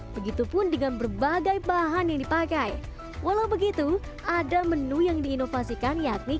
begitupun dengan berbagai bahan yang dipakai walau begitu ada menu yang diinovasikan yakni